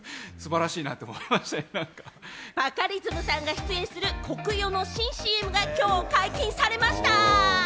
バカリズムさんが出演するコクヨの新ＣＭが今日解禁されました。